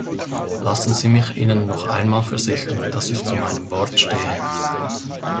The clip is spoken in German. Lassen Sie mich Ihnen noch einmal versichern, dass ich zu meinem Wort stehe.